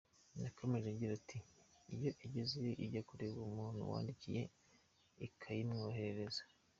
Yakomeje agira ati “ Iyo igezeyo ijya kureba wa muntu wandikiye, ikayimwoherereza.